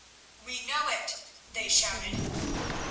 "We know it," they shouted.